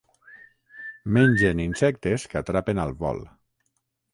Mengen insectes que atrapen al vol.